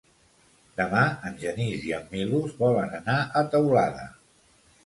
Demà en Genís i en Milos volen anar a Teulada.